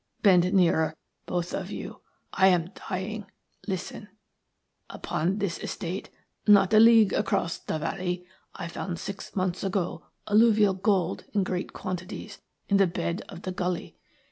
Bend nearer, both of you; I am dying. Listen. "Upon this estate, not a league across the valley, I found six months ago alluvial gold in great quantities in the bed of the gully.